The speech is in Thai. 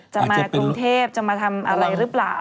จะมากรุงเทพจะมาทำอะไรหรือเปล่า